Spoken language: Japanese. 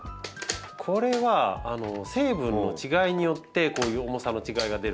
これは成分の違いによってこういう重さの違いが出るんですね。